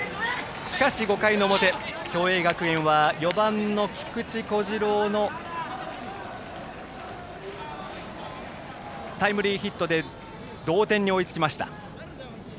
しかし５回の表、共栄学園は４番の菊池虎志朗のタイムリーヒットで同点に追いつきました。